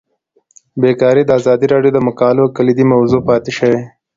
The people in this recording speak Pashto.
بیکاري د ازادي راډیو د مقالو کلیدي موضوع پاتې شوی.